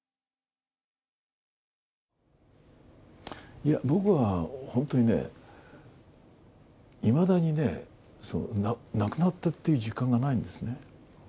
いや、僕は本当にね、いまだにね、亡くなったっていう実感がないんですね。